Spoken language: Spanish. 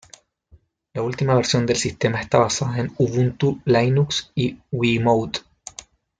La última versión del sistema está basada en Ubuntu-Linux y en Wiimote.